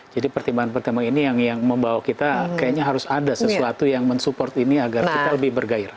jadi pertimbangan pertimbangan ini yang membawa kita kayaknya harus ada sesuatu yang mensupport ini agar kita lebih bergairah